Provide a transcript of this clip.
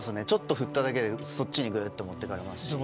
ちょっと振っただけでそっちにぐっと持ってかれますし。